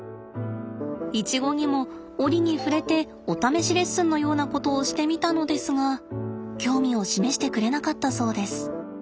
イチゴにも折に触れてお試しレッスンのようなことをしてみたのですが興味を示してくれなかったそうです。